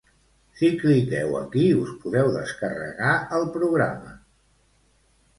Si cliqueu aquí, us podeu descarregar el programa.